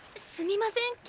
すみません